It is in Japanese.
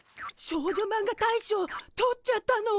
少女マンガ大賞とっちゃったの。